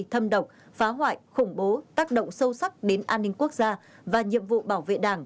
thâm độc phá hoại khủng bố tác động sâu sắc đến an ninh quốc gia và nhiệm vụ bảo vệ đảng